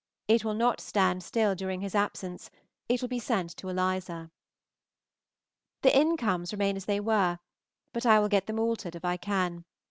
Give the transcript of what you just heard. It will not stand still during his absence, it will be sent to Eliza. The Incomes remain as they were, but I will get them altered if I can.